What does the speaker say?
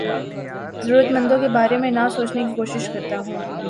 ضرورت مندوں کے بارے میں نہ سوچنے کی کوشش کرتا ہوں